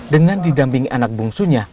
dengan didampingi anak bungsunya